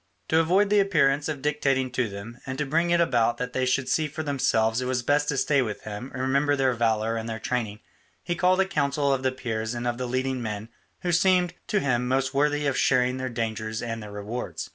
To avoid the appearance of dictating to them and to bring it about that they should see for themselves it was best to stay with him and remember their valour and their training, he called a council of the Peers and of the leading men who seemed to him most worthy of sharing their dangers and their rewards.